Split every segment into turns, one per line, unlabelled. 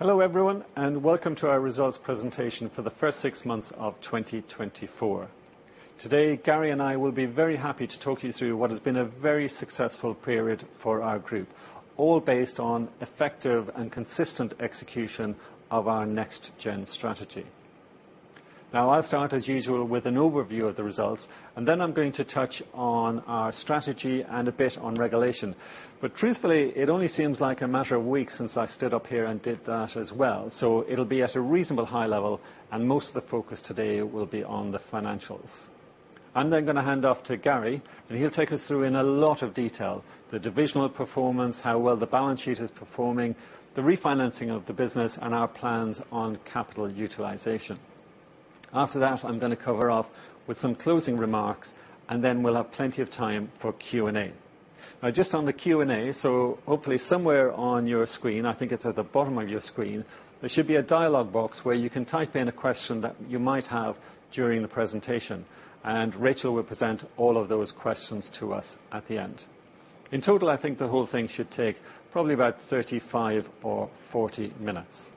Hello everyone and welcome to our results presentation for the first six months of 2024. Today, Gary and I will be very happy to talk you through what has been a very successful period for our group, all based on effective and consistent execution of our Next Gen strategy. Now, I'll start, as usual, with an overview of the results and then I'm going to touch on our strategy and a bit on regulation. Truthfully, it only seems like a matter of weeks since I stood up here and did that as well, It'll be at a reasonably high level and most of the focus today will be on the financials. I'm then going to hand off to Gary and he'll take us through, in a lot of detail, the divisional performance, how well the balance sheet is performing, the refinancing of the business and our plans on capital utilization. After that, I'm going to cover off with some closing remarks and then we'll have plenty of time for Q&A. Now, just on the Q&A, Hopefully somewhere on your screen, I think it's at the bottom of your screen, there should be a dialog box where you can type in a question that you might have during the presentation and Rachel will present all of those questions to us at the end. In total, I think the whole thing should take probably about 35 or 40 minutes.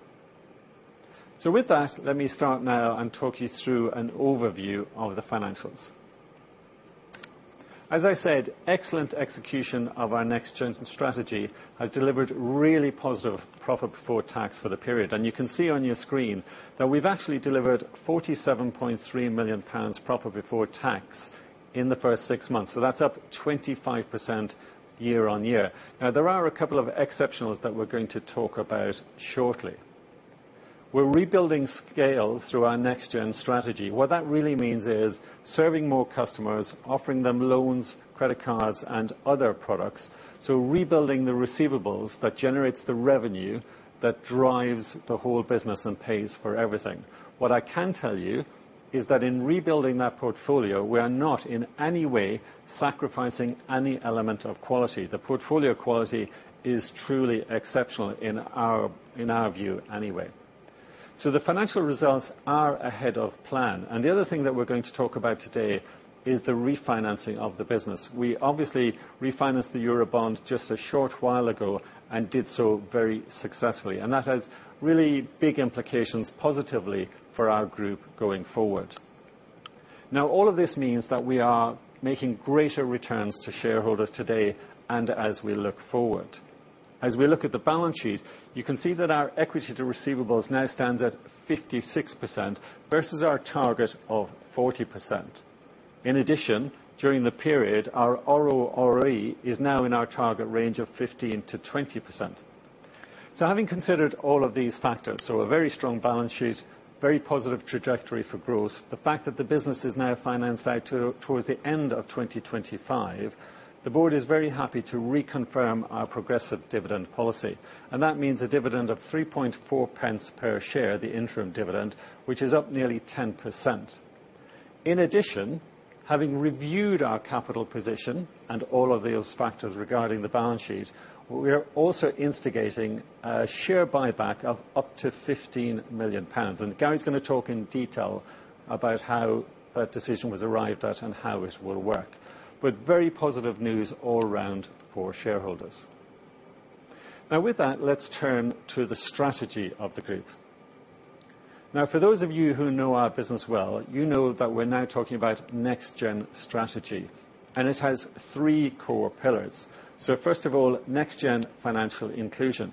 With that, let me start now and talk you through an overview of the financials. As I said, excellent execution of our Next Gen strategy has delivered really positive profit before tax for the period and you can see on your screen that we've actually delivered 47.3 million pounds profit before tax in the first six months, That's up 25% year-on-year. Now, there are a couple of exceptionals that we're going to talk about shortly. We're rebuilding scale through our Next Gen strategy. What that really means is serving more customers, offering them loans, credit cards and other products rebuilding the receivables that generate the revenue that drives the whole business and pays for everything. What I can tell you is that in rebuilding that portfolio, we are not in any way sacrificing any element of quality. The portfolio quality is truly exceptional in our view anyway. The financial results are ahead of plan and the other thing that we're going to talk about today is the refinancing of the business. We obviously refinanced the Eurobond just a short while ago and did very successfully and that has really big implications positively for our group going forward. Now, all of this means that we are making greater returns to shareholders today and as we look forward. As we look at the balance sheet, you can see that our equity to receivables now stands at 56% versus our target of 40%. In addition, during the period, our RORE is now in our target range of 15%-20%. Having considered all of these factors, a very strong balance sheet, very positive trajectory for growth, the fact that the business is now financed out towards the end of 2025, the board is very happy to reconfirm our progressive dividend policy and that means a dividend of 0.034 per share, the interim dividend, which is up nearly 10%. In addition, having reviewed our capital position and all of those factors regarding the balance sheet, we are also instigating a share buyback of up to £15 million and Gary's going to talk in detail about how that decision was arrived at and how it will work very positive news all around for shareholders. Now, with that, let's turn to the strategy of the group. Now, for those of you who know our business well that we're now talking about Next Gen strategy and it has three core pillars. First of all, Next Gen Financial Inclusion,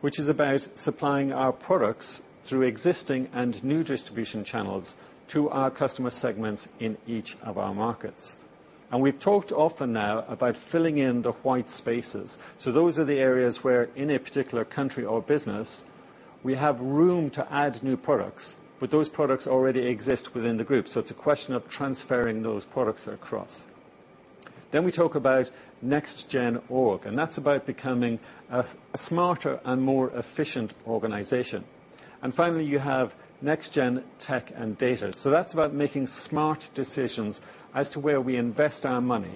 which is about supplying our products through existing and new distribution channels to our customer segments in each of our markets and we've talked often now about filling in the white spaces those are the areas where, in a particular country or business, we have room to add new products, but those products already exist within the group it's a question of transferring those products across. Then we talk about Next Gen Org and that's about becoming a smarter and more efficient organization. And finally, you have Next Gen tech and data that's about making smart decisions as to where we invest our money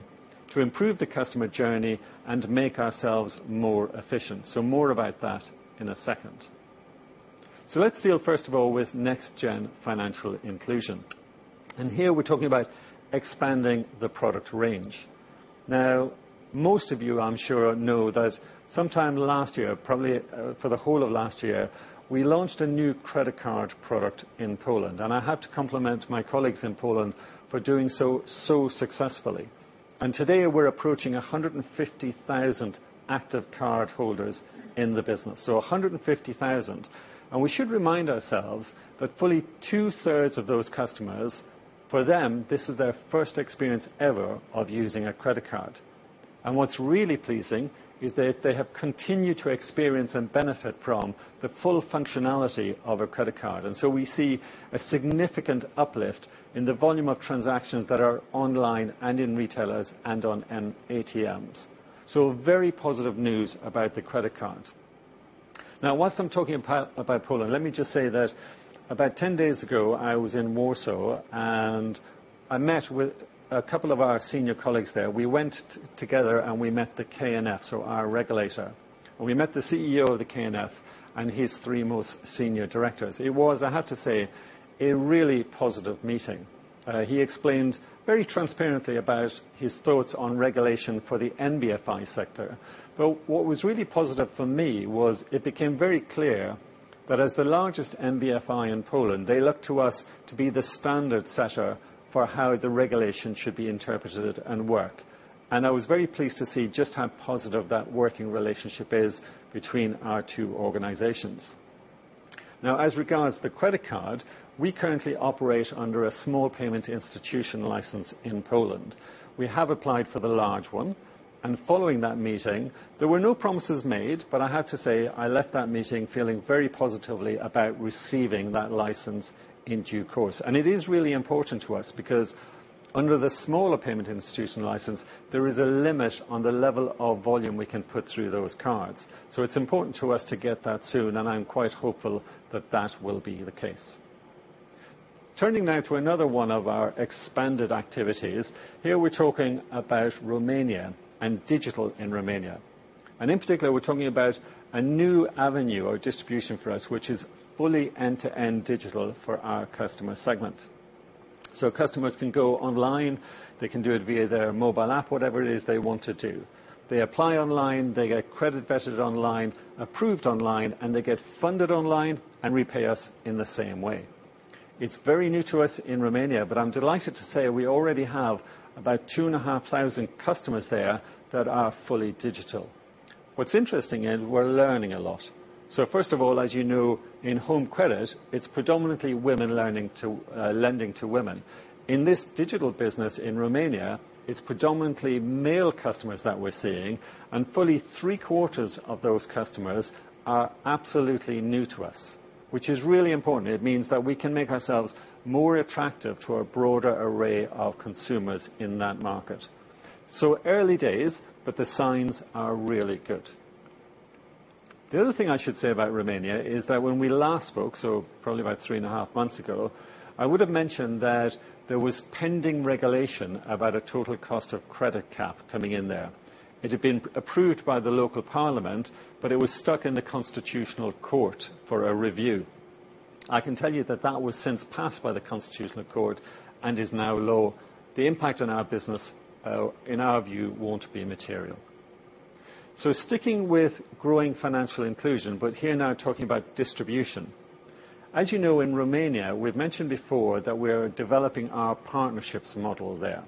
to improve the customer journey and make ourselves more efficient more about that in a second. Let's deal first of all with Next Gen Financial Inclusion and here we're talking about expanding the product range. Now, most of you, I'm sure, know that sometime last year, probably for the whole of last year, we launched a new credit card product in Poland and I have to compliment my colleagues in Poland for doing successfully and today, we're approaching 150,000 active cardholders in the business 150,000 and we should remind ourselves that fully two-thirds of those customers, for them, this is their first experience ever of using a credit card. What's really pleasing is that they have continued to experience and benefit from the full functionality of a credit card and we see a significant uplift in the volume of transactions that are online and in retailers and on ATMs, very positive news about the credit card. Now, while I'm talking about Poland, let me just say that about 10 days ago, I was in Warsaw and I met with a couple of our senior colleagues there. We went together and we met the KNF, our regulator and we met the CEO of the KNF and his three most senior directors. It was, I have to say, a really positive meeting. He explained very transparently about his thoughts on regulation for the NBFI sector, but what was really positive for me was it became very clear that as the largest NBFI in Poland, they look to us to be the standard setter for how the regulation should be interpreted and work and I was very pleased to see just how positive that working relationship is between our two organizations. Now, as regards the credit card, we currently operate under a small payment institution license in Poland. We have applied for the large one and following that meeting, there were no promises made, but I have to say I left that meeting feeling very positively about receiving that license in due course. It is really important to us because under the smaller payment institution license, there is a limit on the level of volume we can put through those cards it's important to us to get that soon and I'm quite hopeful that that will be the case. Turning now to another one of our expanded activities, here we're talking about Romania and digital in romania and in particular, we're talking about a new avenue of distribution for us, which is fully end-to-end digital for our customer segment. Customers can go online, they can do it via their mobile app, whatever it is they want to do. They apply online, they get credit vetted online, approved online and they get funded online and repay us in the same way. It's very new to us in Romania, but I'm delighted to say we already have about 2,500 customers there that are fully digital. What's interesting is we're learning a lot. First of all, as in home credit, it's predominantly women lending to women. In this digital business in Romania, it's predominantly male customers that we're seeing and fully three-quarters of those customers are absolutely new to us, which is really important. It means that we can make ourselves more attractive to a broader array of consumers in that market. Early days, but the signs are really good. The other thing I should say about Romania is that when we last spoke probably about three and a half months ago, I would have mentioned that there was pending regulation about a total cost of credit cap coming in there. It had been approved by the local parliament, but it was stuck in the Constitutional Court for a review. I can tell you that that was since passed by the Constitutional Court and is now law. The impact on our business, in our view, won't be material. Sticking with growing financial inclusion, but here now talking about distribution. As in Romania, we've mentioned before that we're developing our partnerships model there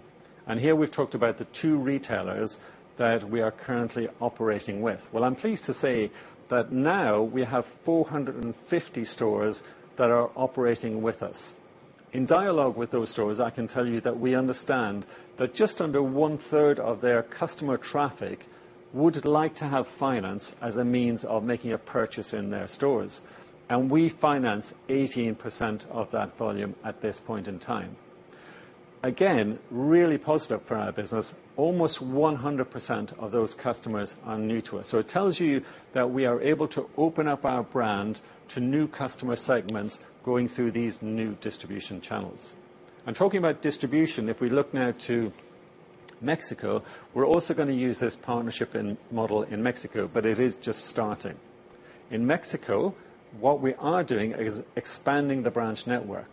and here we've talked about the two retailers that we are currently operating with. Well, I'm pleased to say that now we have 450 stores that are operating with us. In dialogue with those stores, I can tell you that we understand that just under one-third of their customer traffic would like to have finance as a means of making a purchase in their stores and we finance 18% of that volume at this point in time. Again, really positive for our business, almost 100% of those customers are new to us it tells you that we are able to open up our brand to new customer segments going through these new distribution channels and talking about distribution, if we look now to Mexico, we're also going to use this partnership model in Mexico, but it is just starting. In Mexico, what we are doing is expanding the branch network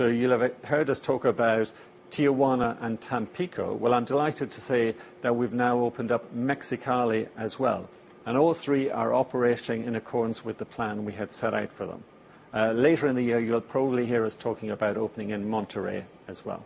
you'll have heard us talk about Tijuana and Tampico. Well, I'm delighted to say that we've now opened up Mexicali as well and all three are operating in accordance with the plan we had set out for them. Later in the year, you'll probably hear us talking about opening in Monterrey as well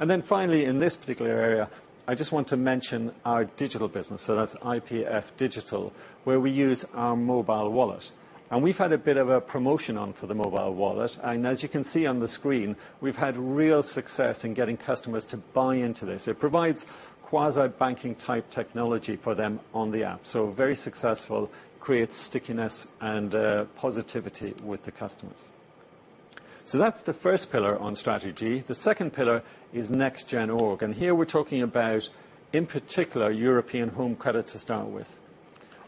and then finally, in this particular area, I just want to mention our Bigital business that's IPF Digital, where we use our mobile wallet and we've had a bit of a promotion on for the mobile wallet and as you can see on the screen, we've had real success in getting customers to buy into this. It provides quasi-banking type technology for them on the app very successful, creates stickiness and positivity with the customers. That's the first pillar on strategy. The second pillar is Next Gen org and here we're talking about, in particular, European Home Credit to start with.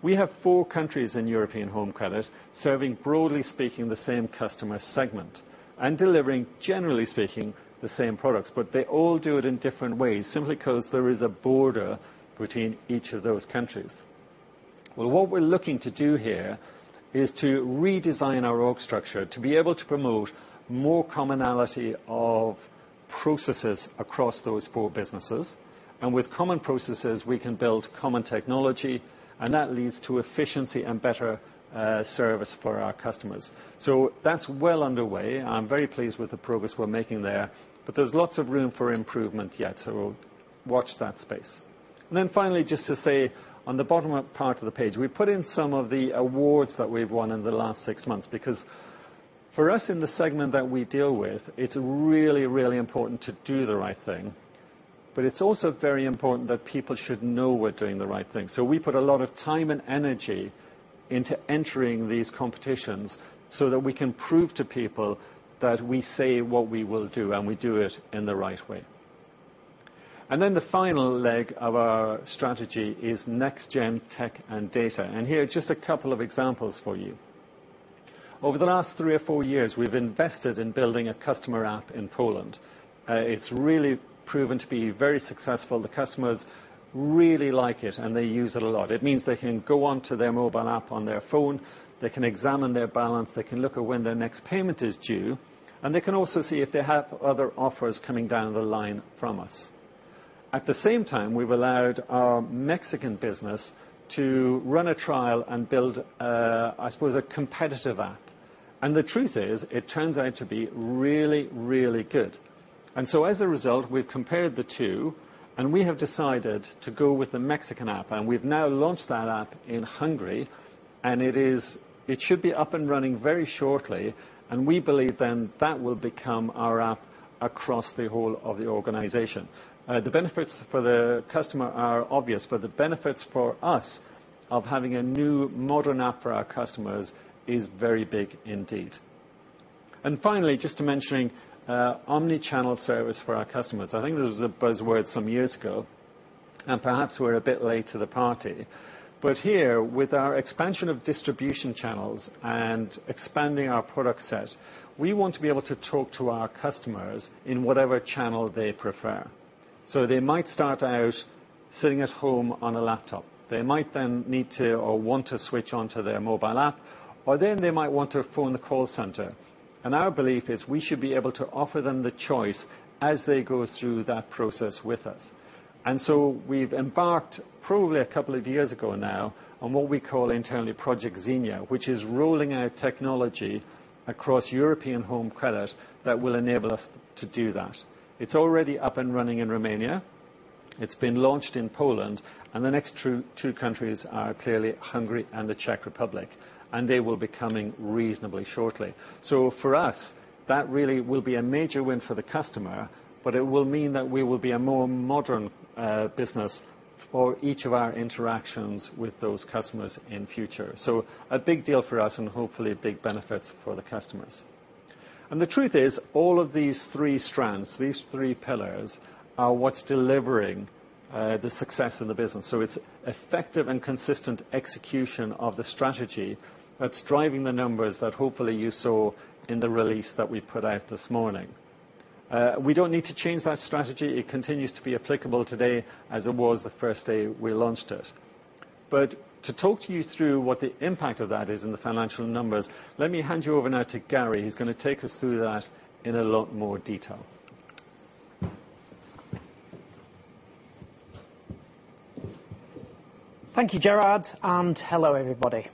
We have four countries in European Home Credit serving, broadly speaking, the same customer segment and delivering, generally speaking, the same products, but they all do it in different ways simply because there is a border between each of those countries. Well, what we're looking to do here is to redesign our org structure to be able to promote more commonality of processes across those four businesses and with common processes, we can build common technology and that leads to efficiency and better service for our customers. That's well underway and I'm very pleased with the progress we're making there, but there's lots of room for improvement yet watch that space. Finally, just to say on the bottom part of the page, we put in some of the awards that we've won in the last six months because for us in the segment that we deal with, it's really, really important to do the right thing, but it's also very important that people should know we're doing the right thing. We put a lot of time and energy into entering these competitions so that we can prove to people that we say what we will do and we do it in the right way. The final leg of our strategy is Next Gen tech and data and here are just a couple of examples for you. Over the last three or four years, we've invested in building a customer app in Poland. It's really proven to be very successful. The customers really like it and they use it a lot. It means they can go onto their mobile app on their phone, they can examine their balance, they can look at when their next payment is due and they can also see if they have other offers coming down the line from us. At the same time, we've allowed our Mexican business to run a trial and build, I suppose, a competitive app and the truth is it turns out to be really good and so as a result, we've compared the two and we have decided to go with the Mexican app and we've now launched that app in Hungary and it should be up and running very shortly and we believe then that will become our app across the whole of the organization. The benefits for the customer are obvious, but the benefits for us of having a new, modern app for our customers is very big indeed. Finally, just to mention omnichannel service for our customers. I think this was a buzzword some years ago and perhaps we're a bit late to the party, but here with our expansion of distribution channels and expanding our product set, we want to be able to talk to our customers in whatever channel they prefer. They might start out sitting at home on a laptop, they might then need to or want to switch onto their mobile app, or then they might want to phone the call center and our belief is we should be able to offer them the choice as they go through that process with us. And so we've embarked probably a couple of years ago now on what we call internally Project Xenia, which is rolling out technology across European Home Credit that will enable us to do that. It's already up and running in Romania, it's been launched in poland and the next two countries are clearly Hungary and the Czech Republic and they will be coming reasonably shortly. For us, that really will be a major win for the customer, but it will mean that we will be a more modern business for each of our interactions with those customers in future a big deal for us and hopefully big benefits for the customers. The truth is all of these three strands, these three pillars, are what's delivering the success in the business it's effective and consistent execution of the strategy that's driving the numbers that hopefully you saw in the release that we put out this morning. We don't need to change that strategy. It continues to be applicable today as it was the first day we launched it to talk to you through what the impact of that is in the financial numbers, let me hand you over now to Gary. He's going to take us through that in a lot more detail.
Thank you, Gerard and hello everybody.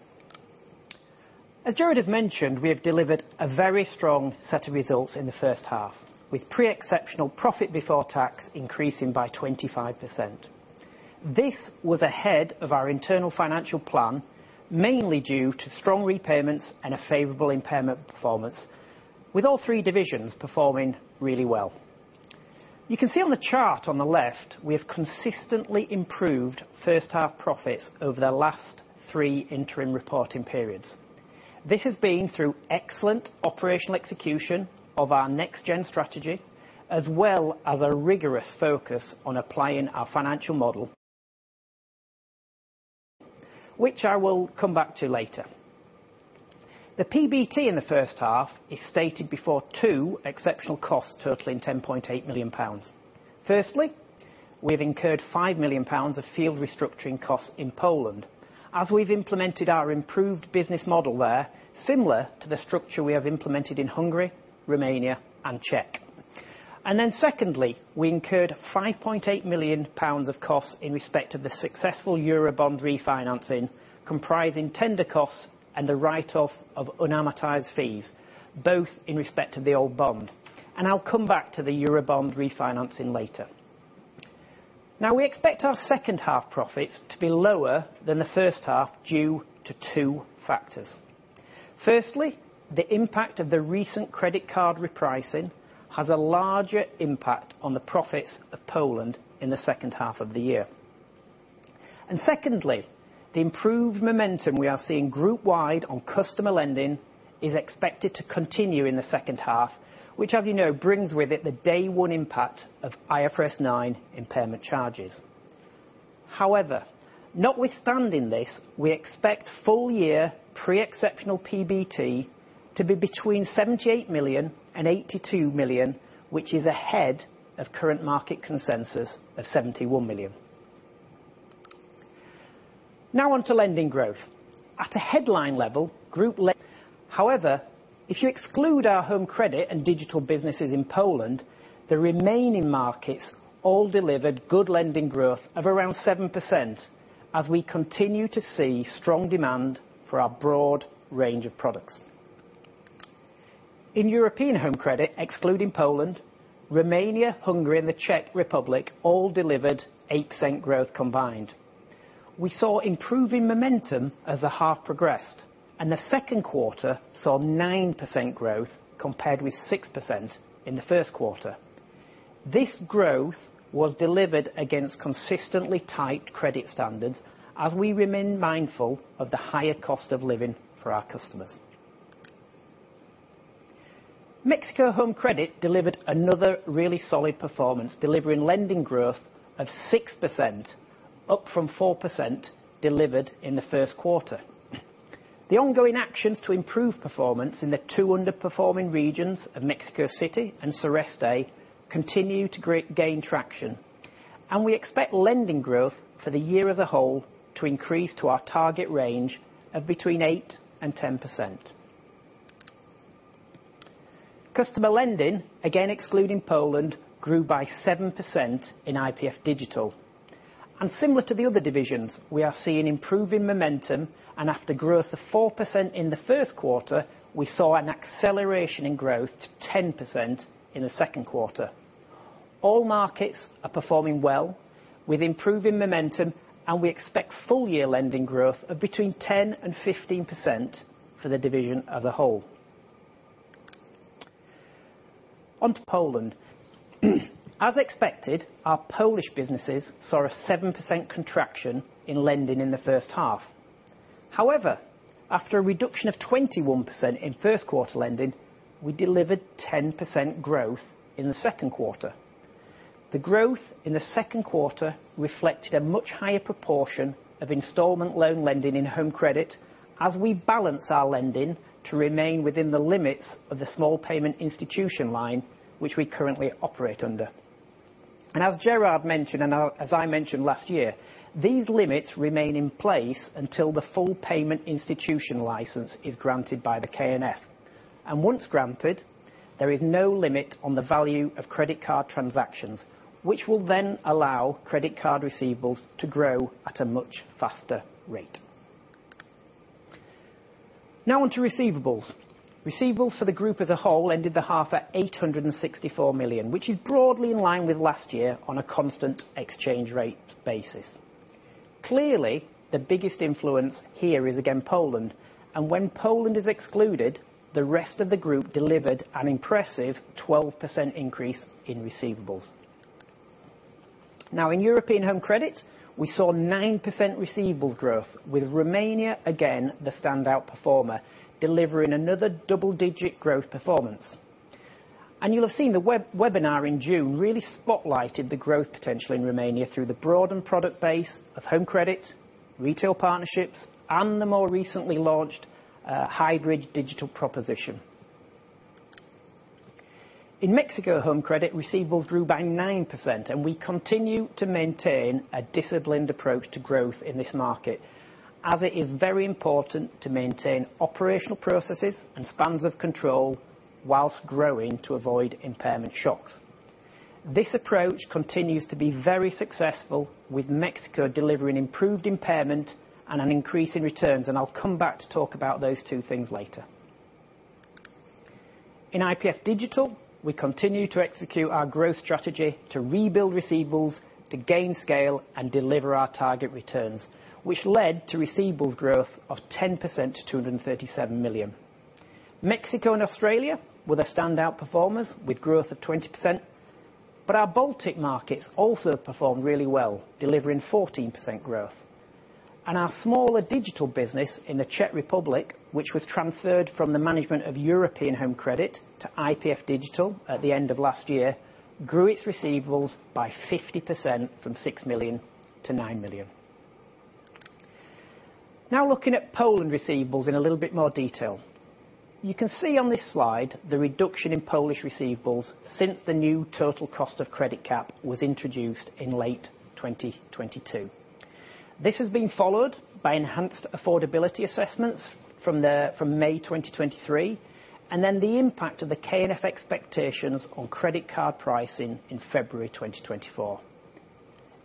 As Gerard has mentioned, we have delivered a very strong set of results in the H1, with pre-exceptional profit before tax increasing by 25%. This was ahead of our internal financial plan, mainly due to strong repayments and a favorable impairment performance, with all three divisions performing really well. You can see on the chart on the left, we have consistently improved first-half profits over the last three interim reporting periods. This has been through excellent operational execution of our Next Gen strategy, as well as a rigorous focus on applying our financial model, which I will come back to later. The PBT in the H1 is stated before two exceptional costs totaling 10.8 million pounds. Firstly, we have incurred 5 million pounds of field restructuring costs in Poland, as we've implemented our improved business model there, similar to the structure we have implemented in Hungary, Romania and Czech. Then secondly, we incurred 5.8 million pounds of costs in respect of the successful Eurobond refinancing, comprising tender costs and the write-off of unamortized fees, both in respect of the old bond and I'll come back to the Eurobond refinancing later. Now, we expect our second-half profits to be lower than the H1 due to two factors. Firstly, the impact of the recent credit card repricing has a larger impact on the profits of Poland in the H2 of the year and secondly, the improved momentum we are seeing group-wide on customer lending is expected to continue in the H2, which as brings with it the day-one impact of IFRS 9 impairment charges. However, notwithstanding this, we expect full-year pre-exceptional PBT to be between 78 million and 82 million, which is ahead of current market consensus of 71 million. Now onto lending growth. At a headline level, group. However, if you exclude our home credit and digital businesses in Poland, the remaining markets all delivered good lending growth of around 7%, as we continue to see strong demand for our broad range of products. In European Home Credit, excluding Poland, Romania, Hungary and the Czech Republic all delivered 8% growth combined. We saw improving momentum as the half progressed and the Q2 saw 9% growth compared with 6% in the Q1. This growth was delivered against consistently tight credit standards, as we remain mindful of the higher cost of living for our customers. Mexico Home Credit delivered another really solid performance, delivering lending growth of 6%, up from 4% delivered in the Q1. The ongoing actions to improve performance in the two underperforming regions of Mexico City and Sureste continue to gain traction and we expect lending growth for the year as a whole to increase to our target range of between 8% and 10%. Customer lending, again excluding Poland, grew by 7% in IPF digital and similar to the other divisions, we are seeing improving momentum and after growth of 4% in the Q1, we saw an acceleration in growth to 10% in the Q2. All markets are performing well, with improving momentum and we expect full-year lending growth of between 10% and 15% for the division as a whole. Onto Poland. As expected, our Polish businesses saw a 7% contraction in lending in the H1. However, after a reduction of 21% in first-quarter lending, we delivered 10% growth in the Q2. The growth in the Q2 reflected a much higher proportion of installment loan lending in home credit, as we balance our lending to remain within the limits of the small payment institution license, which we currently operate under and as Gerard mentioned and as I mentioned last year, these limits remain in place until the full payment institution license is granted by the KNF and once granted, there is no limit on the value of credit card transactions, which will then allow credit card receivables to grow at a much faster rate. Now onto receivables. Receivables for the group as a whole ended the half at 864 million, which is broadly in line with last year on a constant exchange rate basis. Clearly, the biggest influence here is again poland and when Poland is excluded, the rest of the group delivered an impressive 12% increase in receivables. Now, in European Home Credit, we saw 9% receivables growth, with Romania, again, the standout performer, delivering another double-digit growth performance. You'll have seen the webinar in June really spotlighted the growth potential in Romania through the broadened product base of home credit, retail partnerships and the more recently launched hybrid digital proposition. In Mexico Home Credit receivables grew by 9% and we continue to maintain a disciplined approach to growth in this market, as it is very important to maintain operational processes and spans of control while growing to avoid impairment shocks. This approach continues to be very successful, with Mexico delivering improved impairment and an increase in returns and I'll come back to talk about those two things later. In IPF Digital, we continue to execute our growth strategy to rebuild receivables, to gain scale and deliver our target returns, which led to receivables growth of 10% to £237 million. Mexico and Australia were the standout performers, with growth of 20%, but our Baltic markets also performed really well, delivering 14% growth. Our smaller digital business in the Czech Republic, which was transferred from the management of European Home Credit to IPF Digital at the end of last year, grew its receivables by 50% from £6 million to £9 million. Now looking at Poland receivables in a little bit more detail, you can see on this slide the reduction in Polish receivables since the new total cost of credit cap was introduced in late 2022. This has been followed by enhanced affordability assessments from May 2023 and then the impact of the KNF expectations on credit card pricing in February 2024.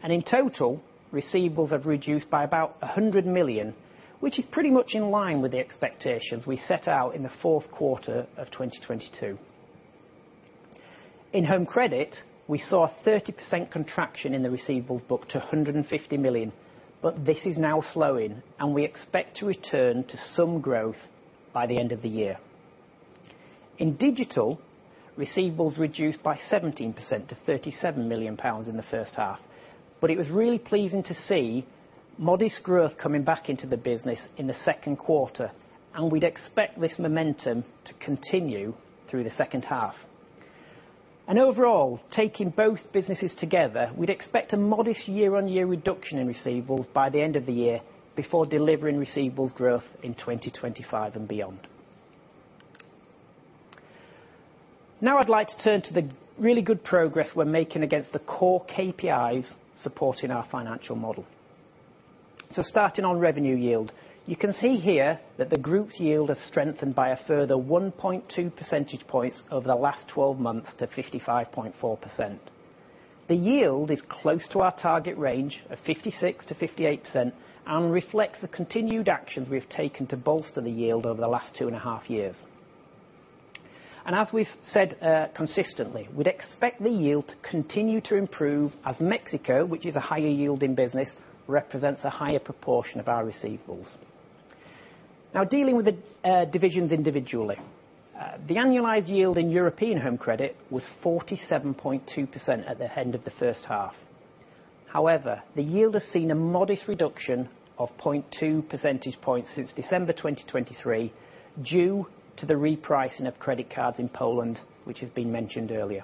In total, receivables have reduced by about 100 million, which is pretty much in line with the expectations we set out in the Q4 of 2022. In home credit, we saw a 30% contraction in the receivables book to 150 million, but this is now slowing and we expect to return to some growth by the end of the year. In digital, receivables reduced by 17% to 37 million pounds in the H1, but it was really pleasing to see modest growth coming back into the business in the q2 and we'd expect this momentum to continue through the H2. Overall, taking both businesses together, we'd expect a modest year-on-year reduction in receivables by the end of the year before delivering receivables growth in 2025 and beyond. Now I'd like to turn to the really good progress we're making against the core KPIs supporting our financial model. Starting on revenue yield, you can see here that the group's yield has strengthened by a further 1.2 percentage points over the last 12 months to 55.4%. The yield is close to our target range of 56%-58% and reflects the continued actions we have taken to bolster the yield over the last two and a half years. As we've said consistently, we'd expect the yield to continue to improve as Mexico, which is a higher yielding business, represents a higher proportion of our receivables. Now dealing with the divisions individually, the annualized yield in European Home Credit was 47.2% at the end of the H1. However, the yield has seen a modest reduction of 0.2 percentage points since December 2023 due to the repricing of credit cards in Poland, which has been mentioned earlier.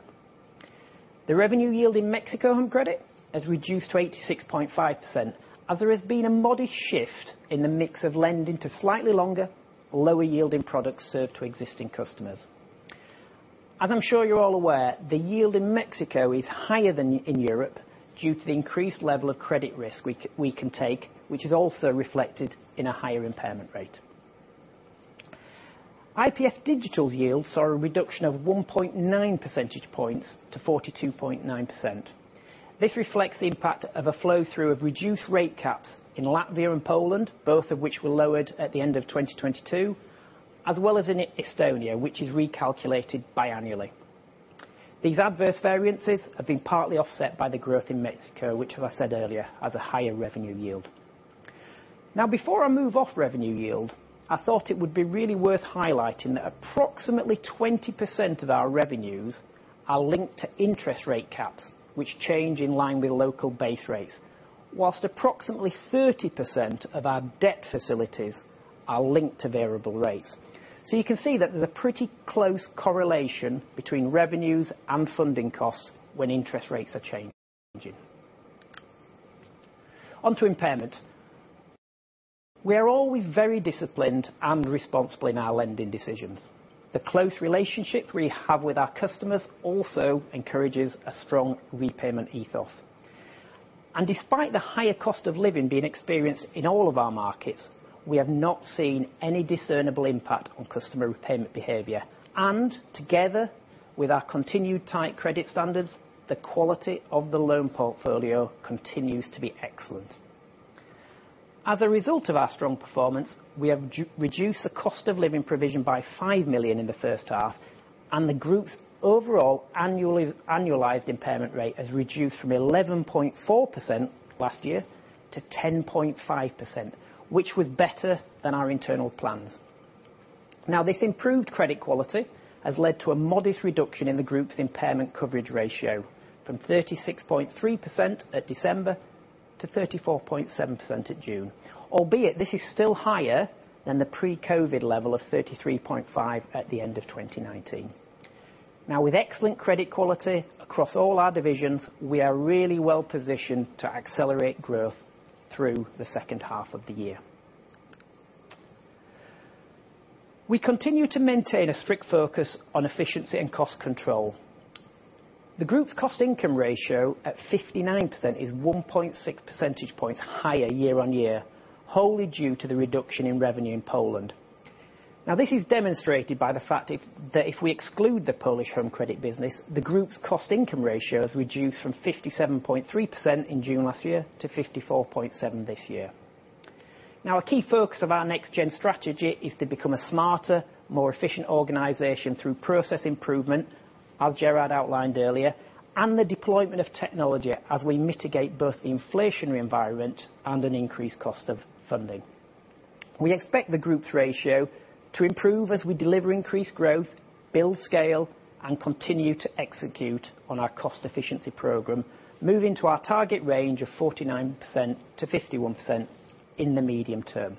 The revenue yield in Mexico Home Credit has reduced to 86.5%, as there has been a modest shift in the mix of lending to slightly longer, lower yielding products served to existing customers. As I'm sure you're all aware, the yield in Mexico is higher than in Europe due to the increased level of credit risk we can take, which is also reflected in a higher impairment rate. IPF Digital's yield saw a reduction of 1.9 percentage points to 42.9%. This reflects the impact of a flow-through of reduced rate caps in Latvia and Poland, both of which were lowered at the end of 2022, as well as in Estonia, which is recalculated biannually. These adverse variances have been partly offset by the growth in Mexico, which, as I said earlier, has a higher revenue yield. Now, before I move off revenue yield, I thought it would be really worth highlighting that approximately 20% of our revenues are linked to interest rate caps, which change in line with local base rates, whilst approximately 30% of our debt facilities are linked to variable rates. You can see that there's a pretty close correlation between revenues and funding costs when interest rates are changing. Onto impairment. We are always very disciplined and responsible in our lending decisions. The close relationships we have with our customers also encourages a strong repayment ethos. Despite the higher cost of living being experienced in all of our markets, we have not seen any discernible impact on customer repayment behavior. Together with our continued tight credit standards, the quality of the loan portfolio continues to be excellent. As a result of our strong performance, we have reduced the cost of living provision by £5 million in the h1 and the group's overall annualized impairment rate has reduced from 11.4% last year to 10.5%, which was better than our internal plans. Now, this improved credit quality has led to a modest reduction in the group's impairment coverage ratio from 36.3% at December to 34.7% at June, albeit this is still higher than the pre-COVID level of 33.5% at the end of 2019. Now, with excellent credit quality across all our divisions, we are really well positioned to accelerate growth through the H2 of the year. We continue to maintain a strict focus on efficiency and cost control. The group's cost-income ratio at 59% is 1.6 percentage points higher year-on-year, wholly due to the reduction in revenue in Poland. Now, this is demonstrated by the fact that if we exclude the Polish home credit business, the group's cost-income ratio has reduced from 57.3% in June last year to 54.7% this year. Now, a key focus of our Next Gen strategy is to become a smarter, more efficient organization through process improvement, as Gerard outlined earlier and the deployment of technology as we mitigate both the inflationary environment and an increased cost of funding. We expect the group's ratio to improve as we deliver increased growth, build scale and continue to execute on our cost-efficiency program, moving to our target range of 49%-51% in the medium term.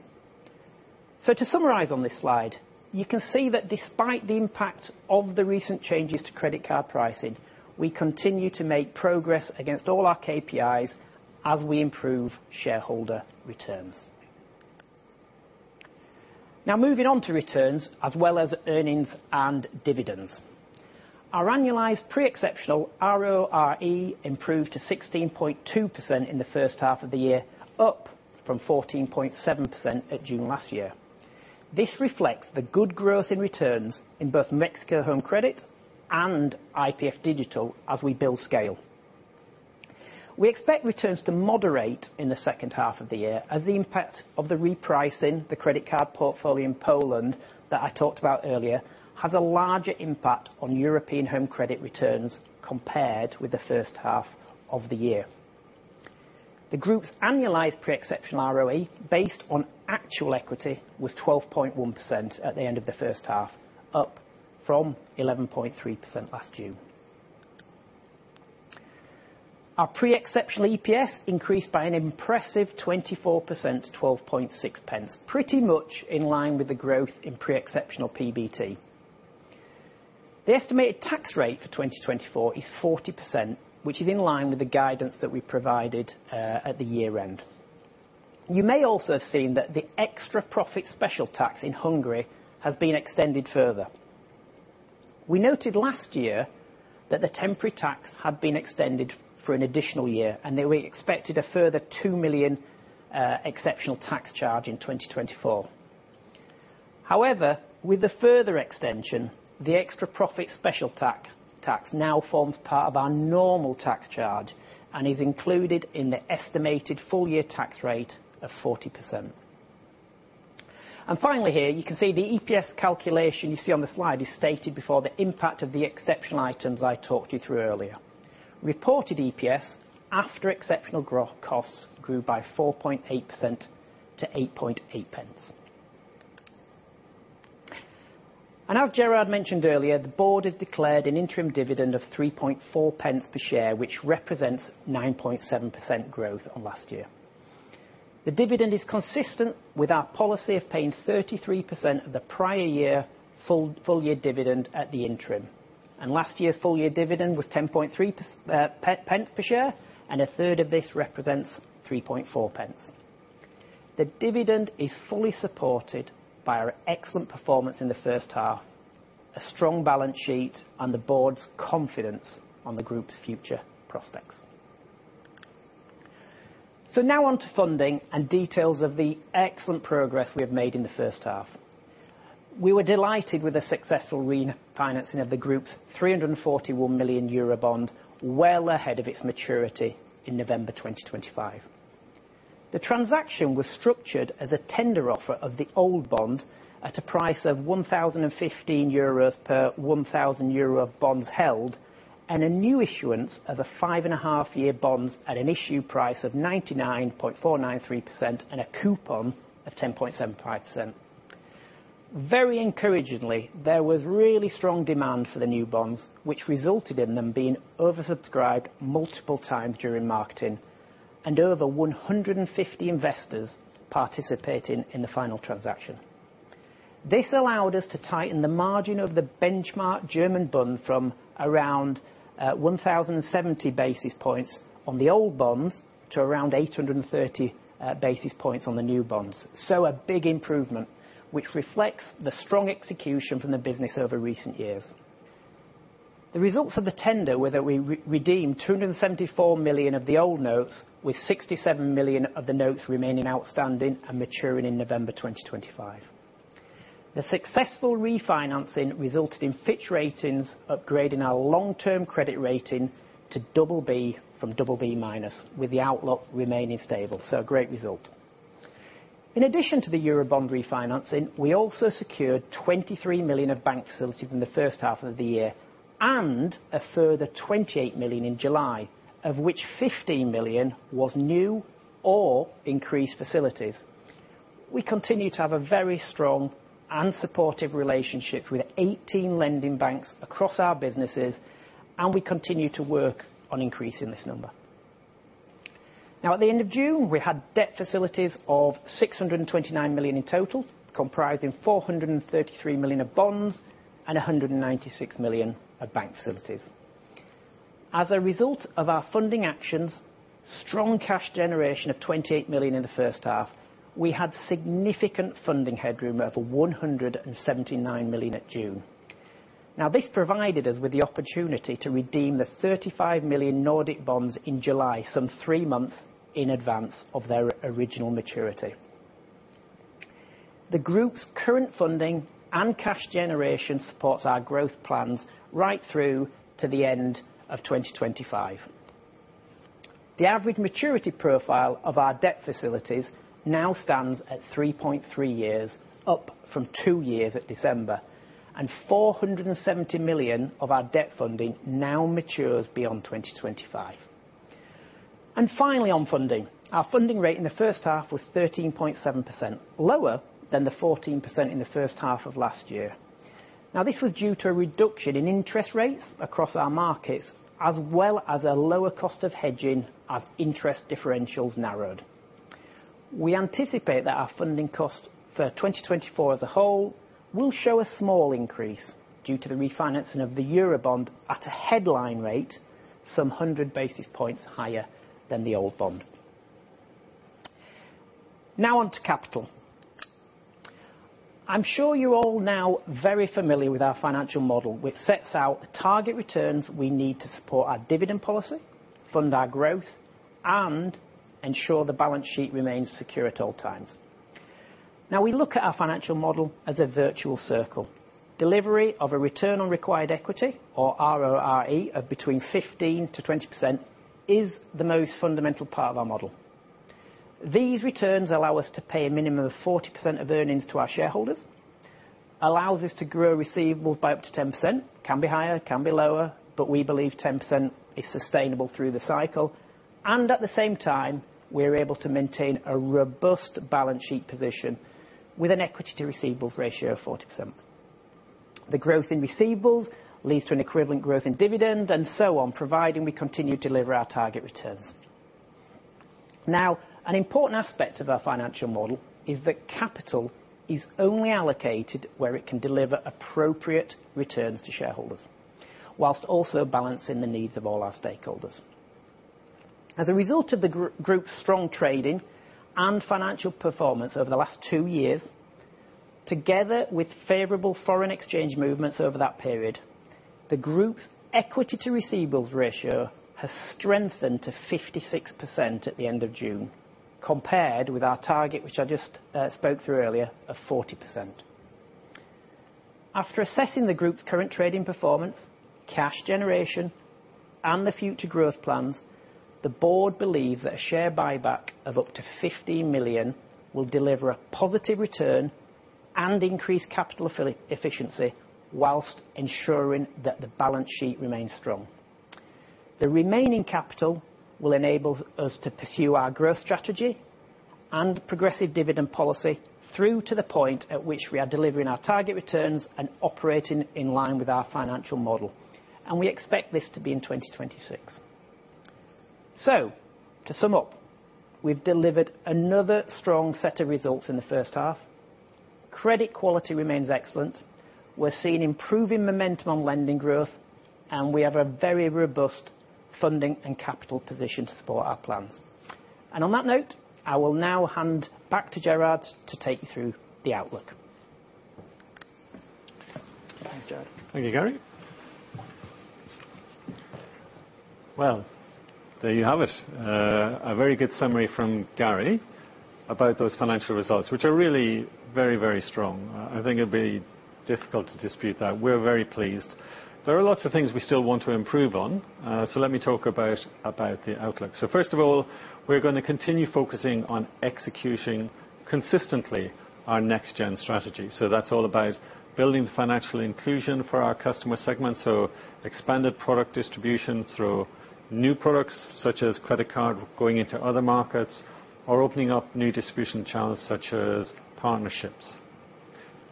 To summarize on this slide, you can see that despite the impact of the recent changes to credit card pricing, we continue to make progress against all our KPIs as we improve shareholder returns. Now, moving on to returns as well as earnings and dividends. Our annualized pre-exceptional RORE improved to 16.2% in the H1 of the year, up from 14.7% at June last year. This reflects the good growth in returns in both Mexico Home Credit and IPF Digital as we build scale. We expect returns to moderate in the H2 of the year, as the impact of the repricing, the credit card portfolio in Poland that I talked about earlier, has a larger impact on European Home Credit returns compared with the H1 of the year. The group's annualized pre-exceptional ROE, based on actual equity, was 12.1% at the end of the H1, up from 11.3% last June. Our pre-exceptional EPS increased by an impressive 24% to 0.126, pretty much in line with the growth in pre-exceptional PBT. The estimated tax rate for 2024 is 40%, which is in line with the guidance that we provided at the year-end. You may also have seen that the extra profit special tax in Hungary has been extended further. We noted last year that the temporary tax had been extended for an additional year and they were expected a further 2 million exceptional tax charge in 2024. However, with the further extension, the extra profit special tax now forms part of our normal tax charge and is included in the estimated full-year tax rate of 40%. Finally here, you can see the EPS calculation you see on the slide is stated before the impact of the exceptional items I talked you through earlier. Reported EPS after exceptional costs grew by 4.8% to 8.8 pence. As Gerard mentioned earlier, the board has declared an interim dividend of 3.4 pence per share, which represents 9.7% growth on last year. The dividend is consistent with our policy of paying 33% of the prior year full-year dividend at the interim. Last year's full-year dividend was 0.103 per share and a third of this represents 0.034. The dividend is fully supported by our excellent performance in the H1, a strong balance sheet and the board's confidence on the group's future prospects. Now on to funding and details of the excellent progress we have made in the H1. We were delighted with the successful refinancing of the group's 341 million euro bond well ahead of its maturity in November 2025. The transaction was structured as a tender offer of the old bond at a price of 1,015 euros per 1,000 euro of bonds held and a new issuance of a 5.5-year bonds at an issue price of 99.493% and a coupon of 10.75%. Very encouragingly, there was really strong demand for the new bonds, which resulted in them being oversubscribed multiple times during marketing and over 150 investors participating in the final transaction. This allowed us to tighten the margin of the benchmark German bond from around 1,070 basis points on the old bonds to around 830 basis points on the new bonds. A big improvement, which reflects the strong execution from the business over recent years. The results of the tender were that we redeemed €274 million of the old notes, with €67 million of the notes remaining outstanding and maturing in November 2025. The successful refinancing resulted in Fitch Ratings upgrading our long-term credit rating to BB from BB minus, with the outlook remaining stable. A great result. In addition to the Eurobond refinancing, we also secured 23 million of bank facility from the H1 of the year and a further 28 million in July, of which 15 million was new or increased facilities. We continue to have a very strong and supportive relationship with 18 lending banks across our businesses and we continue to work on increasing this number. Now, at the end of June, we had debt facilities of 629 million in total, comprising 433 million of bonds and 196 million of bank facilities. As a result of our funding actions, strong cash generation of 28 million in the H1, we had significant funding headroom of 179 million at June. Now, this provided us with the opportunity to redeem the 35 million Nordic bonds in July three months in advance of their original maturity. The group's current funding and cash generation supports our growth plans right through to the end of 2025. The average maturity profile of our debt facilities now stands at 3.3 years, up from 2 years at December some 470 million of our debt funding now matures beyond 2025 and finally, on funding, our funding rate in the H1 was 13.7%, lower than the 14% in the H1 of last year. Now, this was due to a reduction in interest rates across our markets, as well as a lower cost of hedging as interest differentials narrowed. We anticipate that our funding cost for 2024 as a whole will show a small increase due to the refinancing of the Eurobond at a headline rate some 100 basis points higher than the old bond. Now, on to capital. I'm sure you're all now very familiar with our financial model, which sets out the target returns we need to support our dividend policy, fund our growth and ensure the balance sheet remains secure at all times. Now, we look at our financial model as a virtual circle. Delivery of a return on required equity, or RORE, of between 15%-20% is the most fundamental part of our model. These returns allow us to pay a minimum of 40% of earnings to our shareholders, allow us to grow receivables by up to 10%. It can be higher, it can be lower, but we believe 10% is sustainable through the cycle and at the same time, we're able to maintain a robust balance sheet position with an equity-to-receivables ratio of 40%. The growth in receivables leads to an equivalent growth in dividend and so on, providing we continue to deliver our target returns. Now, an important aspect of our financial model is that capital is only allocated where it can deliver appropriate returns to shareholders, while also balancing the needs of all our stakeholders. As a result of the group's strong trading and financial performance over the last two years, together with favorable foreign exchange movements over that period, the group's equity-to-receivables ratio has strengthened to 56% at the end of June, compared with our target, which I just spoke through earlier, of 40%. After assessing the group's current trading performance, cash generation and the future growth plans, the board believes that a share buyback of up to 15 million will deliver a positive return and increase capital efficiency while ensuring that the balance sheet remains strong. The remaining capital will enable us to pursue our growth strategy and progressive dividend policy through to the point at which we are delivering our target returns and operating in line with our financial model. We expect this to be in 2026. To sum up, we've delivered another strong set of results in the H1. Credit quality remains excellent. We're seeing improving momentum on lending growth and we have a very robust funding and capital position to support our plans. On that note, I will now hand back to Gerard to take you through the outlook.
Thank you, Gary. Well, there you have it. A very good summary from Gary about those financial results, which are really very, very strong. I think it'd be difficult to dispute that. We're very pleased. There are lots of things we still want to improve on. Let me talk about the outlook. First of all, we're going to continue focusing on executing consistently our Next Gen strategy. That's all about building financial inclusion for our customer segment expanded product distribution through new products such as credit card going into other markets or opening up new distribution channels such as partnerships.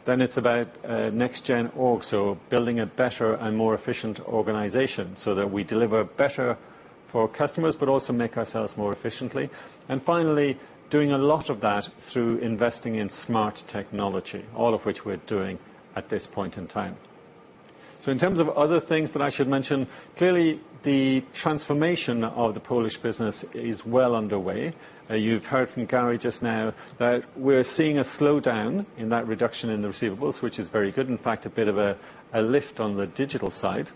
Then it's about Next Gen org building a better and more efficient organization so that we deliver better for customers, but also make ourselves more efficiently and finally, doing a lot of that through investing in smart technology, all of which we're doing at this point in time. In terms of other things that I should mention, clearly, the transformation of the Polish business is well underway. You've heard from Gary just now that we're seeing a slowdown in that reduction in the receivables, which is very good, in fact, a bit of a lift on the digital side.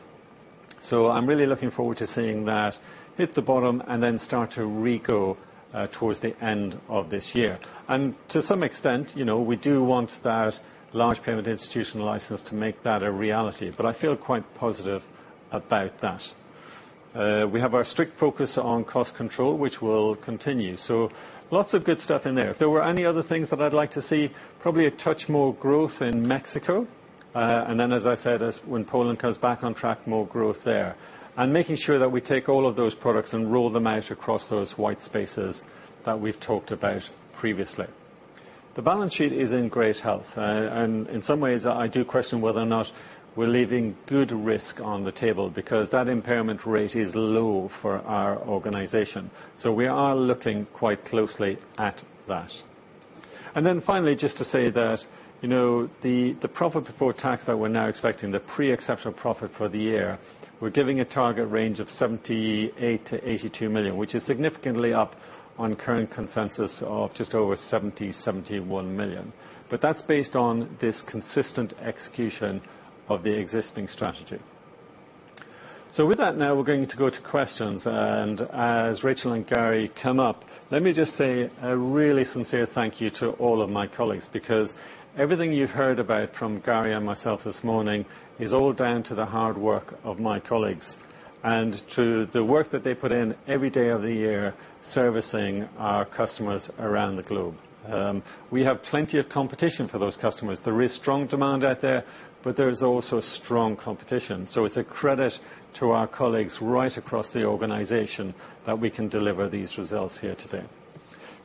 I'm really looking forward to seeing that hit the bottom and then start to recover towards the end of this year and to some extent, we do want that large payment institution license to make that a reality. I feel quite positive about that. We have our strict focus on cost control, which will continue. Lots of good stuff in there. If there were any other things that I'd like to see, probably a touch more growth in Mexico and then, as I said, when Poland comes back on track, more growth there. Making sure that we take all of those products and roll them out across those white spaces that we've talked about previously. The balance sheet is in great health. In some ways, I do question whether or not we're leaving good risk on the table because that impairment rate is low for our organization. We are looking quite closely at that. Then finally, just to say that the profit before tax that we're now expecting, the pre-exceptional profit for the year, we're giving a target range of €78-€82 million, which is significantly up on current consensus of just over €70-€71 million. That's based on this consistent execution of the existing strategy. With that, now we're going to go to questions. As Rachel and Gary come up, let me just say a really sincere thank you to all of my colleagues because everything you've heard about from Gary and myself this morning is all down to the hard work of my colleagues and to the work that they put in every day of the year servicing our customers around the globe. We have plenty of competition for those customers. There is strong demand out there, but there is also strong competition. It's a credit to our colleagues right across the organization that we can deliver these results here today.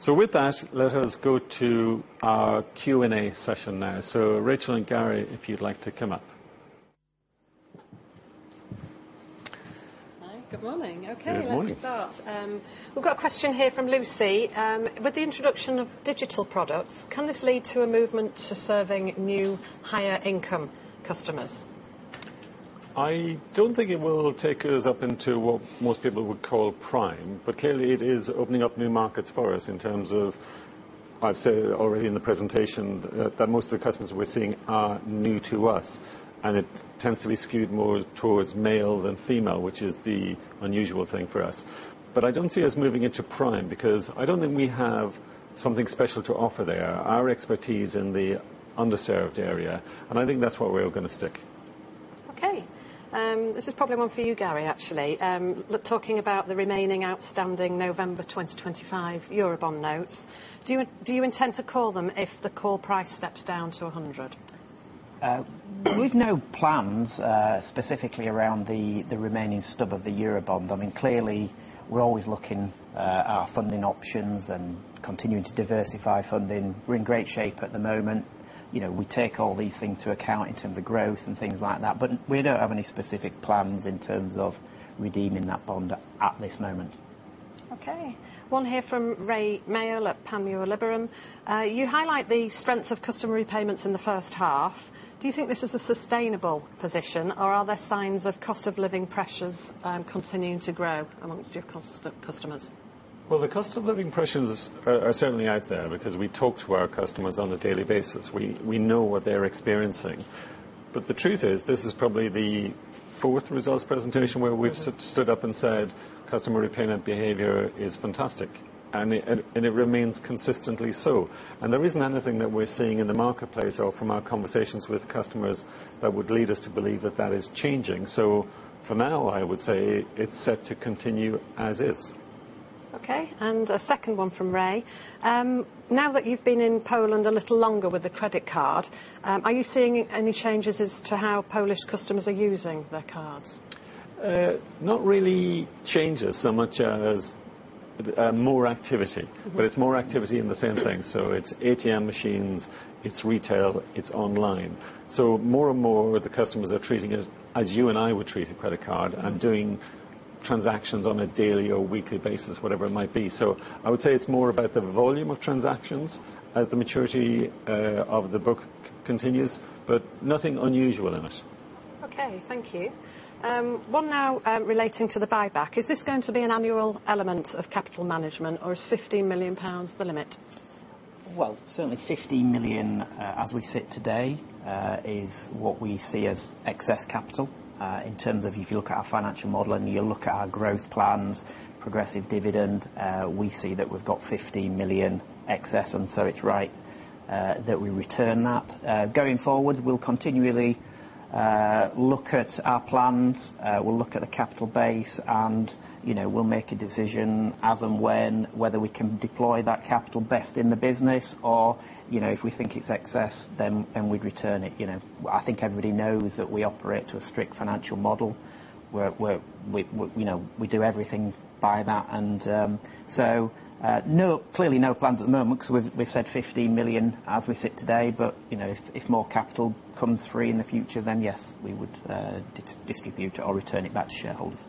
With that, let us go to our Q&A session now. Rachel and Gary, if you'd like to come up.
Hi. Good morning. Okay, let's start. We've got a question here from Lucy. With the introduction of digital products, can this lead to a movement to serving new, higher-income customers?
I don't think it will take us up into what most people would call prime, but clearly, it is opening up new markets for us in terms of, I've said already in the presentation, that most of the customers we're seeing are new to us and it tends to be skewed more towards male than female, which is the unusual thing for us. I don't see us moving into prime because I don't think we have something special to offer there, our expertise in the underserved area and I think that's where we're going to stick.
Okay. This is probably one for you, Gary, actually. Talking about the remaining outstanding November 2025 Eurobond notes, do you intend to call them if the call price steps down to €100?
We've no plans specifically around the remaining stub of the Eurobond. I mean, clearly, we're always looking at our funding options and continuing to diversify funding. We're in great shape at the moment. We take all these things to account in terms of growth and things like that, but we don't have any specific plans in terms of redeeming that bond at this moment.
Okay. One here from Rae Maile at Panmure Liberum. You highlight the strength of customer repayments in the H1. Do you think this is a sustainable position, or are there signs of cost of living pressures continuing to grow among your customers?
Well, the cost of living pressures are certainly out there because we talk to our customers on a daily basis. We know what they're experiencing. The truth is, this is probably the fourth results presentation where we've stood up and said, "Customer repayment behavior is fantastic." It remains consistently so. There isn't anything that we're seeing in the marketplace or from our conversations with customers that would lead us to believe that that is changing. For now, I would say it's set to continue as is.
Okay. A second one from Ray. Now that you've been in Poland a little longer with the credit card, are you seeing any changes as to how Polish customers are using their cards?
Not really changes so much as more activity. It's more activity in the same thing. It's ATM machines, it's retail, it's online. More and more, the customers are treating it as you and I would treat a credit card and doing transactions on a daily or weekly basis, whatever it might be. I would say it's more about the volume of transactions as the maturity of the book continues, but nothing unusual in it.
Okay. Thank you. One now relating to the buyback. Is this going to be an annual element of capital management, or is 15 million pounds the limit?
Well, certainly, 15 million as we sit today is what we see as excess capital in terms of if you look at our financial model and you look at our growth plans, progressive dividend, we see that we've got 15 million excess and so it's right that we return that. Going forward, we'll continually look at our plans. We'll look at the capital base and we'll make a decision as and when whether we can deploy that capital best in the business, or if we think it's excess, then we'd return it. I think everybody knows that we operate to a strict financial model. We do everything by that and so clearly, no plans at the moment because we've said £15 million as we sit today. If more capital comes through in the future, then yes, we would distribute or return it back to shareholders.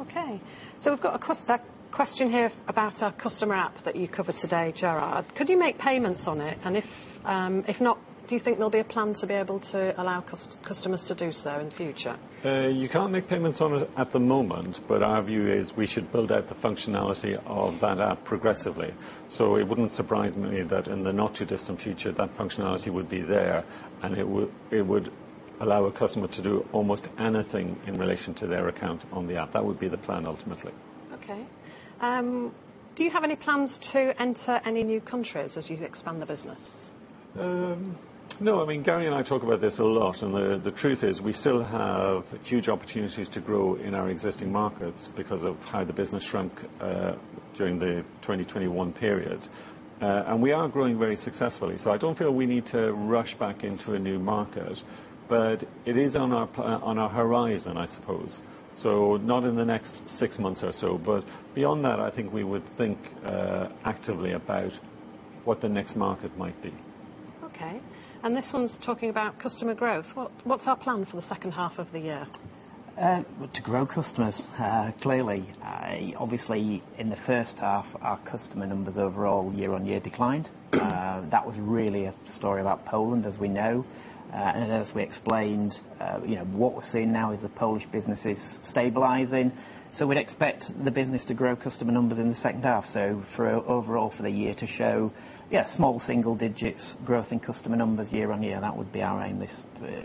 Okay. We've got a question here about our customer app that you covered today, Gerard. Could you make payments on it? And if not, do you think there'll be a plan to be able to allow customers to do so in the future?
You can't make payments on it at the moment, but our view is we should build out the functionality of that app progressively. It wouldn't surprise me that in the not-too-distant future, that functionality would be there and it would allow a customer to do almost anything in relation to their account on the app. That would be the plan ultimately.
Okay. Do you have any plans to enter any new countries as you expand the business?
No. I mean, Gary and I talk about this a lot and the truth is we still have huge opportunities to grow in our existing markets because of how the business shrunk during the 2021 period and we are growing very successfully. I don't feel we need to rush back into a new market, but it is on our horizon, I suppose not in the next six months or so. Beyond that, I think we would think actively about what the next market might be.
okay and this one's talking about customer growth. What's our plan for the H2 of the year?
To grow customers, clearly. Obviously, in the H1, our customer numbers overall year-on-year declined. That was really a story about Poland, as we know and as we explained, what we're seeing now is the Polish business is stabilizing. We'd expect the business to grow customer numbers in the H2. Overall, for the year to show small single-digits growth in customer numbers year-on-year, that would be our aim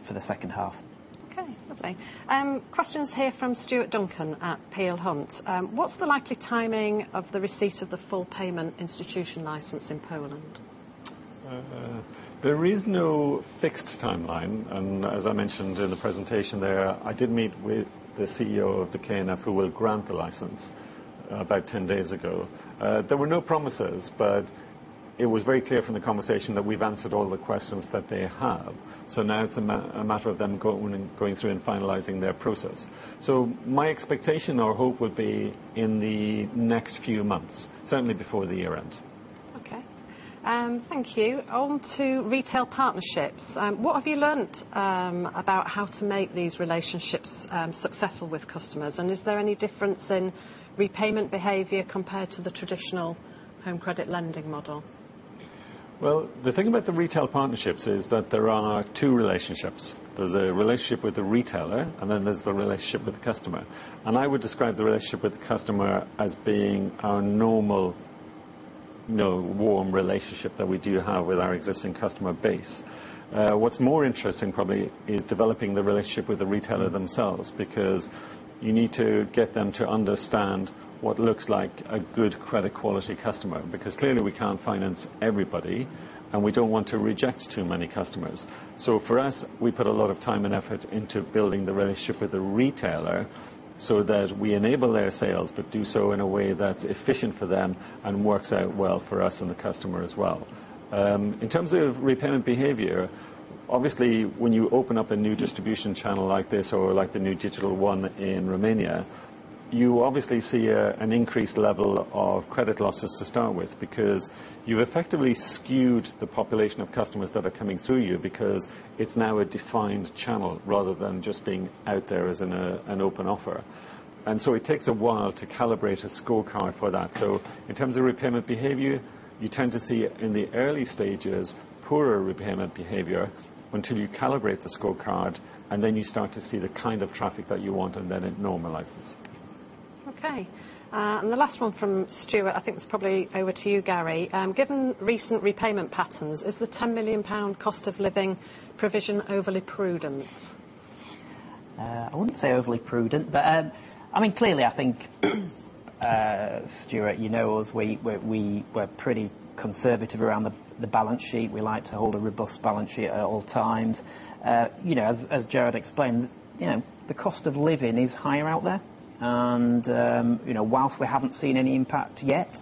for the H2.
Okay. Lovely. Questions here from Stuart Duncan at Peel Hunt. What's the likely timing of the receipt of the full payment institution license in Poland?
There is no fixed timeline. As I mentioned in the presentation there, I did meet with the CEO of the KNF who will grant the license about 10 days ago. There were no promises, but it was very clear from the conversation that we've answered all the questions that they have. Now it's a matter of them going through and finalizing their process. My expectation or hope would be in the next few months, certainly before the year-end.
Okay. Thank you. On to retail partnerships. What have you learned about how to make these relationships successful with customers? And is there any difference in repayment behavior compared to the traditional home credit lending model?
Well, the thing about the retail partnerships is that there are two relationships. There's a relationship with the retailer and then there's the relationship with the customer. I would describe the relationship with the customer as being our normal, warm relationship that we do have with our existing customer base. What's more interesting probably is developing the relationship with the retailer themselves because you need to get them to understand what looks like a good credit-quality customer. Because clearly, we can't finance everybody and we don't want to reject too many customers. For us, we put a lot of time and effort into building the relationship with the retailer so that we enable their sales, but do so in a way that's efficient for them and works out well for us and the customer as well. In terms of repayment behavior, obviously, when you open up a new distribution channel like this or like the new digital one in Romania, you obviously see an increased level of credit losses to start with because you've effectively skewed the population of customers that are coming through you because it's now a defined channel rather than just being out there as an open offer and so it takes a while to calibrate a scorecard for that. In terms of repayment behavior, you tend to see in the early stages poorer repayment behavior until you calibrate the scorecard and then you start to see the kind of traffic that you want and then it normalizes.
okay and the last one from Stuart, I think it's probably over to you, Gary. Given recent repayment patterns, is the £10 million cost of living provision overly prudent?
I wouldn't say overly prudent, but I mean, clearly, I think, Stuart and us, we're pretty conservative around the balance sheet. We like to hold a robust balance sheet at all times. As Gerard explained, the cost of living is higher out there. Whilst we haven't seen any impact yet,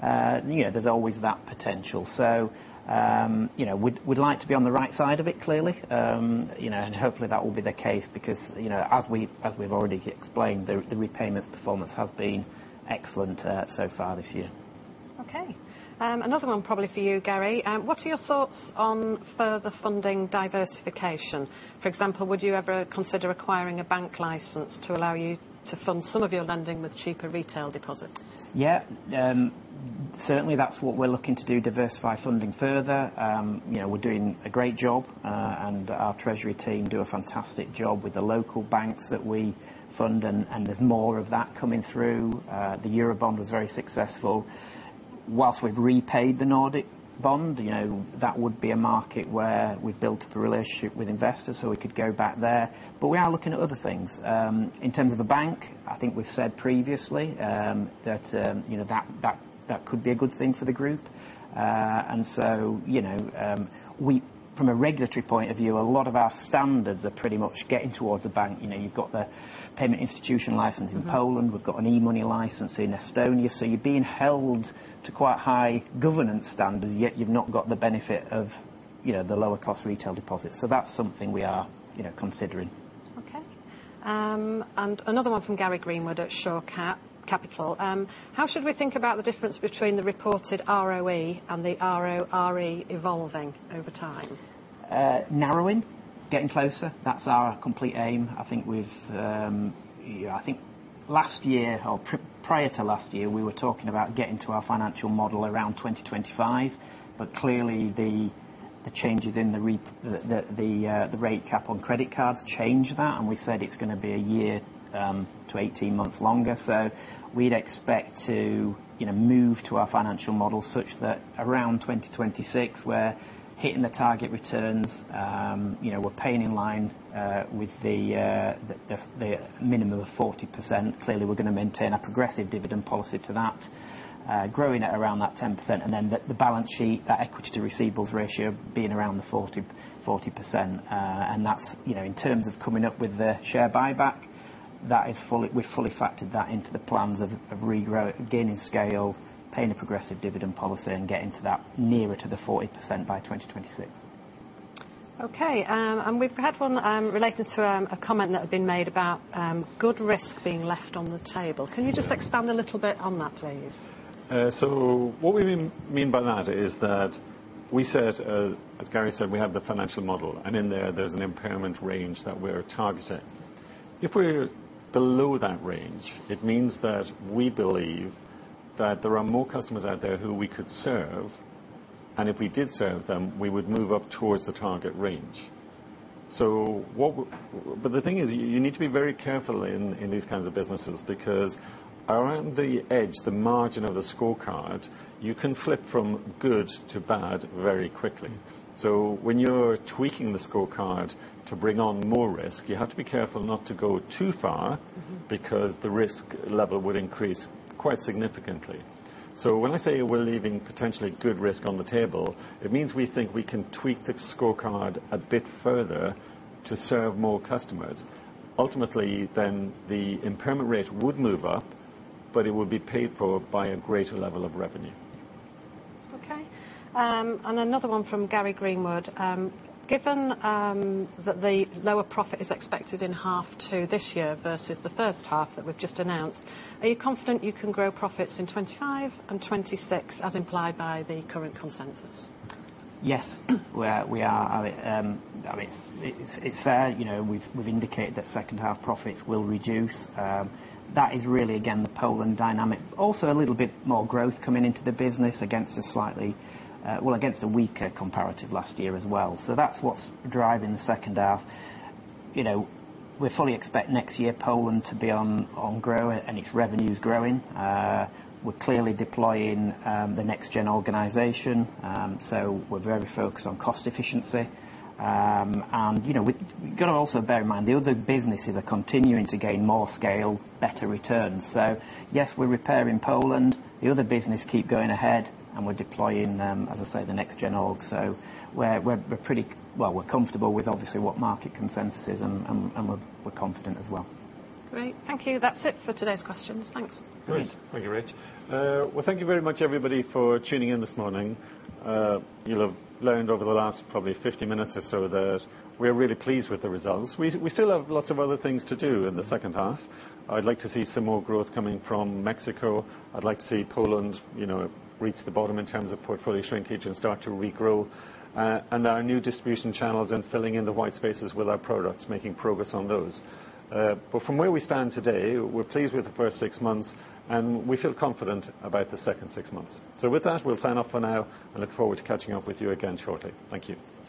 there's always that potential. We'd like to be on the right side of it, clearly. Hopefully, that will be the case because, as we've already explained, the repayment performance has been excellent so far this year.
Okay. Another one probably for you, Gary. What are your thoughts on further funding diversification? For example, would you ever consider acquiring a bank license to allow you to fund some of your lending with cheaper retail deposits?
Certainly, that's what we're looking to do, diversify funding further. We're doing a great job and our treasury team do a fantastic job with the local banks that we fund and there's more of that coming through. The Eurobond was very successful. Whilst we've repaid the Nordic bond, that would be a market where we've built up a relationship with investors so we could go back there. We are looking at other things. In terms of the bank, I think we've said previously that that could be a good thing for the group and so from a regulatory point of view, a lot of our standards are pretty much getting towards a bank. You've got the payment institution license in Poland. We've got an e-money license in Estonia. You're being held to quite high governance standards, yet you've not got the benefit of the lower-cost retail deposits. That's something we are considering. Okay.
Another one from Gary Greenwood at Shore Capital. How should we think about the difference between the reported ROE and the RORE evolving over time?
Narrowing, getting closer. That's our complete aim. I think last year or prior to last year, we were talking about getting to our financial model around 2025. Clearly, the changes in the rate cap on credit cards changed that and we said it's going to be a year to 18 months longer. We'd expect to move to our financial model such that around 2026, we're hitting the target returns. We're paying in line with the minimum of 40%. Clearly, we're going to maintain a progressive dividend policy to that, growing it around that 10% and then the balance sheet, that equity-to-receivables ratio being around the 40%. That's in terms of coming up with the share buyback, we've fully factored that into the plans of regrowing, gaining scale, paying a progressive dividend policy and getting to that nearer to the 40% by 2026.
Okay. We've had one related to a comment that had been made about good risk being left on the table. Can you just expand a little bit on that, please?
What we mean by that is that we said, as Gary said, we have the financial model and in there, there's an impairment range that we're targeting. If we're below that range, it means that we believe that there are more customers out there who we could serve. If we did serve them, we would move up towards the target range. The thing is, you need to be very careful in these kinds of businesses because around the edge, the margin of the scorecard, you can flip from good to bad very quickly. When you're tweaking the scorecard to bring on more risk, you have to be careful not to go too far because the risk level would increase quite significantly. When I say we're leaving potentially good risk on the table, it means we think we can tweak the scorecard a bit further to serve more customers. Ultimately, then the impairment rate would move up, but it would be paid for by a greater level of revenue.
okay and another one from Gary Greenwood. Given that the lower profit is expected in H2 this year versus the H1 that we've just announced, are you confident you can grow profits in 2025 and 2026 as implied by the current consensus?
Yes, we are. I mean, it's fair. We've indicated that second-half profits will reduce. That is really, again, the Poland dynamic. Also a little bit more growth coming into the business against a slightly well, against a weaker comparative last year as well. That's what's driving the H2. We fully expect next year Poland to be on growing and its revenues growing. We're clearly deploying the Next Gen organization. We're very focused on cost efficiency and we've got to also bear in mind the other businesses are continuing to gain more scale, better returns. Yes, we're repairing Poland. The other business keep going ahead and we're deploying, as I say, the Next Gen org. We're pretty well, we're comfortable with, obviously, what market consensus is and we're confident as well.
Great. Thank you. That's it for today's questions. Thanks.
Great. Thank you, Rich. Well, thank you very much, everybody, for tuning in this morning. You'll have learned over the last probably 50 minutes or so that we're really pleased with the results. We still have lots of other things to do in the H2. I'd like to see some more growth coming from Mexico. I'd like to see Poland reach the bottom in terms of portfolio shrinkage and start to regrow. Our new distribution channels and filling in the white spaces with our products, making progress on those. From where we stand today, we're pleased with the first six months and we feel confident about the second six months. With that, we'll sign off for now and look forward to catching up with you again shortly. Thank you.